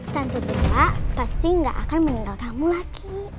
tante bella pasti nggak akan meninggal kamu lagi